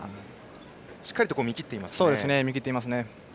しっかりと見切っていますね。